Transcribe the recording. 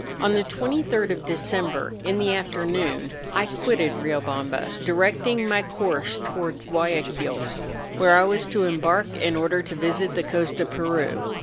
On the 23rd of December, in the afternoon, I quitted Kiobamba, directing my course towards G uayaquil, where I was to embark in order to visit the coast of Peru.